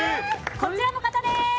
こちらの方です！